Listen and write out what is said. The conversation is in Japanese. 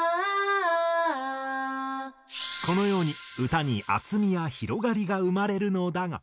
このように歌に厚みや広がりが生まれるのだが。